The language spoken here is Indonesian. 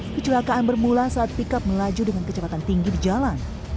kecelakaan bermula saat pickup melaju dengan kecepatan tinggi di jalan